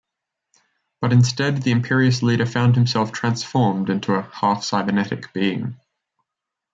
But instead, the Imperious Leader found himself transformed into a half-cybernetic being.